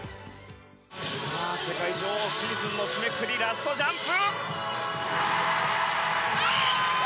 世界女王シーズンの締めくくりラストジャンプ。